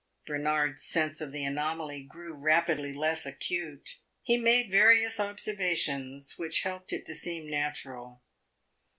Bernard's sense of the anomaly grew rapidly less acute; he made various observations which helped it to seem natural.